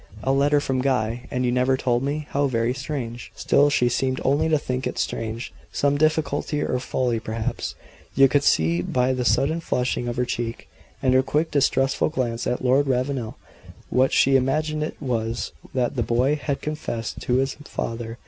"A letter from Guy and you never told me. How very strange!" Still, she seemed only to think it "strange." Some difficulty or folly perhaps you could see by the sudden flushing of her cheek, and her quick, distrustful glance at Lord Ravenel, what she imagined it was that the boy had confessed to his father.